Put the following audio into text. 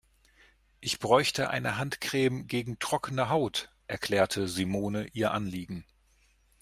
Ich bräuchte eine Handcreme gegen trockene Haut, erklärte Simone ihr Anliegen.